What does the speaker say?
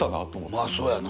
まあそうやな。